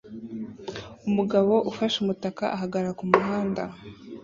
Umugabo ufashe umutaka ahagarara kumuhanda